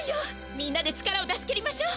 みんなで力を出し切りましょう！